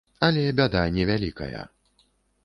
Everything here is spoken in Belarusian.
Але бяда не вялікая.